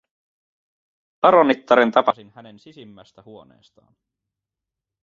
Paronittaren tapasin hänen sisimmästä huoneestaan.